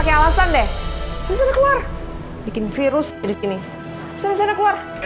kamu kenapa sih